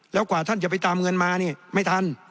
แล้วกว่าท่านจะไปตามเงินมาเนี่ยไม่ทัน